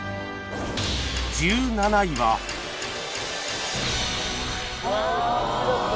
１７位はああ！